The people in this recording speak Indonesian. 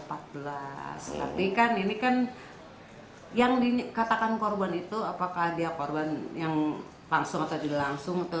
tapi kan ini kan yang dikatakan korban itu apakah dia korban yang langsung atau tidak langsung atau